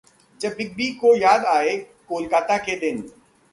...जब Big B को याद आए कोलकाता के दिन